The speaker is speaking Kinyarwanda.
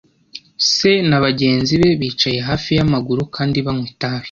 Se na bagenzi be bicaye hafi yamaguru kandi banywa itabi,